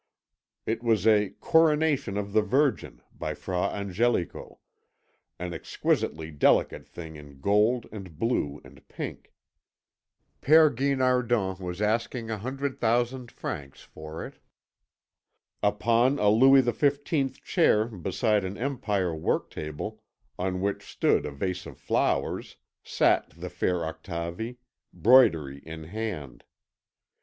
It was a Coronation of the Virgin by Fra Angelico, an exquisitely delicate thing in gold and blue and pink. Père Guinardon was asking a hundred thousand francs for it. Upon a Louis XV chair beside an Empire work table on which stood a vase of flowers, sat the fair Octavie, broidery in hand.